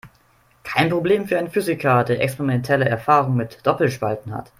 Kein Problem für einen Physiker, der experimentelle Erfahrung mit Doppelspalten hat.